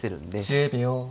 １０秒。